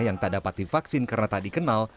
yang tak dapat divaksin karena tak dikenal